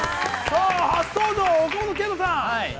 さあ初登場、岡本圭人さん。